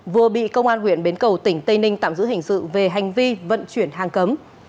vừa bị công an huyện bến cầu tỉnh tây ninh tạm giữ hình sự về hành vi vận chuyển hàng cấm